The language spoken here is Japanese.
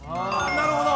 なるほど！